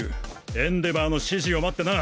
エンデヴァーの指示を待ってな！